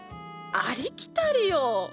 ありきたりよ。